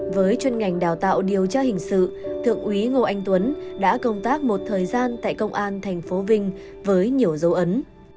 với chuyên ngành đào tạo điều tra hình sự thượng úy ngô anh tuấn đã công tác một thời gian tại công an tp vinh với nhiều dấu ấn